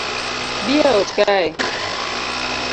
Bi eot kae